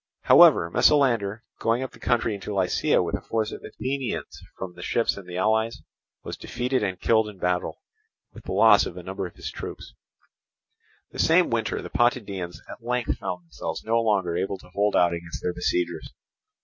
However, Melesander, going up the country into Lycia with a force of Athenians from the ships and the allies, was defeated and killed in battle, with the loss of a number of his troops. The same winter the Potidæans at length found themselves no longer able to hold out against their besiegers.